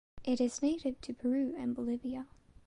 It is native to Peru and Bolivia.